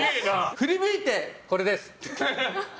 振り向いて、これです。